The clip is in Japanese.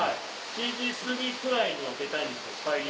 ７時過ぎくらいには出たいんです。